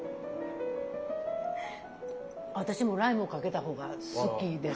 私もライムをかけた方が好きです。